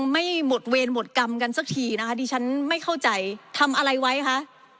ไม่หมดเวรหมดกรรมกันสักทีนะคะดิฉันไม่เข้าใจทำอะไรไว้คะ